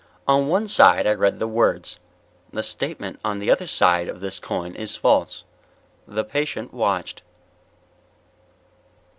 On one side I read the words: THE STATEMENT ON THE OTHER SIDE OF THIS COIN IS FALSE. The patient watched....